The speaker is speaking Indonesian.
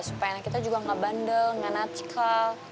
supaya anak kita juga gak bandel gak natsikal